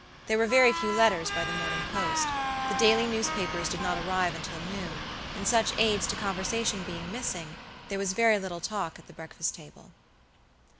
There were very few letters by the morning post; the daily newspapers did not arrive until noon; and such aids to conversation being missing, there was very little talk at the breakfast table.